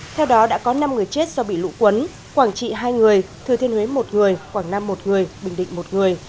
theo đó đã có năm người chết do bị lũ quấn quảng trị hai người thừa thiên huế một người quảng nam một người bình định một người